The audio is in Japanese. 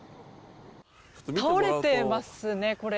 倒れてますね、これ。